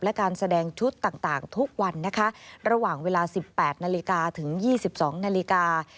และการแสดงชุดต่างทุกวันนะคะระหว่างเวลา๑๘นาฬิกาถึง๒๒นาฬิกา